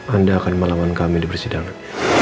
anda akan melawan kami di persidangan